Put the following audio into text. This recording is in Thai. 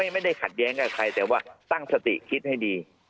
ไม่ได้ขัดแย้งกับใครแต่ว่าตั้งสติคิดให้ดี